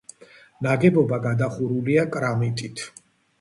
ნაგებობა გადახურულია კრამიტით.